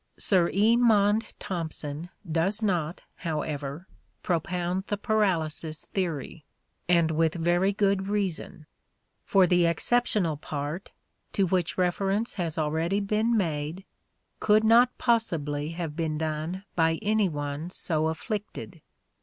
Sir E. Maunde Thompson does not, however, propound the paralysis theory ; and with very good reason : for the exceptional part, to which reference has already been made, could not possibly have been done by any one so afflicted.